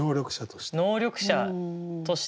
能力者として？